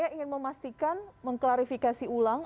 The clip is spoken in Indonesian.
saya ingin memastikan mengklarifikasi ulang